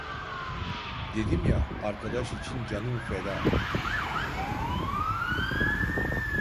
Dedim ya, arkadaş için canım feda…